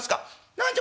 「何じゃ？